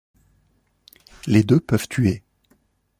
Les deux peuvent tuer.